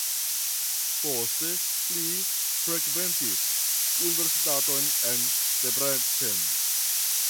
Poste li frekventis universitaton en Debrecen.